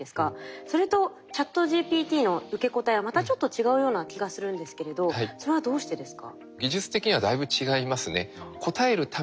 それとＣｈａｔＧＰＴの受け答えはまたちょっと違うような気がするんですけれどそれはどうしてですか？